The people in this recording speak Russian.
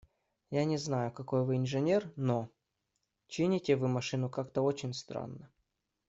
Я не знаю, какой вы инженер, но… чините вы машину как-то очень странно.